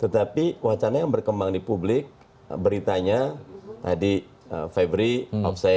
tapi wacana yang berkembang di publik beritanya tadi february offside ya